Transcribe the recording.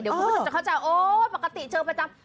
เดี๋ยวคุณผู้ชมจะเข้าใจโอ๊ยปกติเชิงประจำ